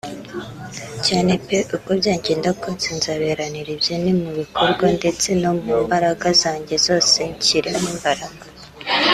Cyane peee uko byagenda kose nzabiharanira ibyo ni mu bikorwa ndetse no mu mbaraga zanjye zose nshyiremo imbaraga